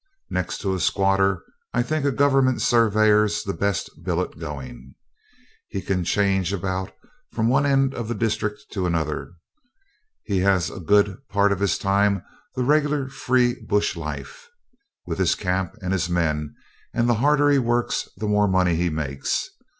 Next to a squatter I think a Government surveyor's the best billet going. He can change about from one end of the district to another. He has a good part of his time the regular free bush life, with his camp and his men, and the harder he works the more money he makes.